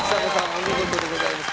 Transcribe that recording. お見事でございます。